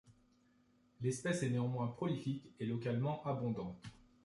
L'espèce est néanmoins prolifique et localement abondante.